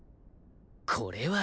これは。